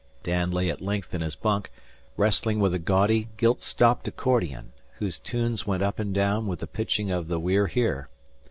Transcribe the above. Dan lay at length in his bunk, wrestling with a gaudy, gilt stopped accordion, whose tunes went up and down with the pitching of the We're Here.